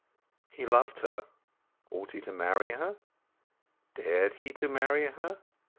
He loved her; ought he to marry her? Dared he to marry her?